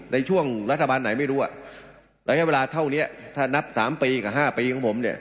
ในช่วงรัฐบาลไหนไม่รู้ระยะเวลาเท่านี้ถ้านับ๓ปีกับ๕ปีของผมเนี่ย